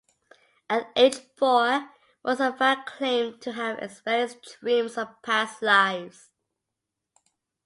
At age four Musafar claimed to have experienced dreams of past lives.